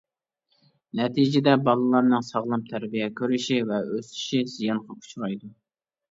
نەتىجىدە بالىلارنىڭ ساغلام تەربىيە كۆرۈشى ۋە ئۆسۈشى زىيانغا ئۇچرايدۇ.